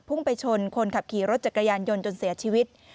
ไปชนคนขับขี่รถจักรยานยนต์จนเสียชีวิต